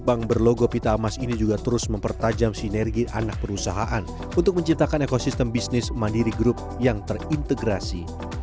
bank berlogo pita emas ini juga terus mempertajam sinergi anak perusahaan untuk menciptakan ekosistem bisnis mandiri group yang terintegrasi